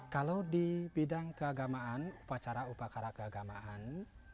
kalau di bidang keagamaan upacara upacara keagamaan